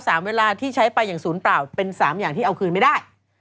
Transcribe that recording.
เวลาที่ใช้ไปอย่างศูนย์เปล่าเป็นสามอย่างที่เอาคืนไม่ได้